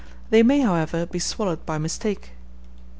They may, however, be swallowed by mistake.